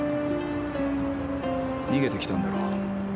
逃げてきたんだろ？